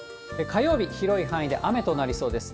火曜日、広い範囲で雨となりそうです。